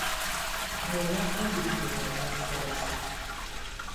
Mɔ́nà á ndɔ́ hɛ́nɔ́nɔ̀ sɔ́sɔ̀.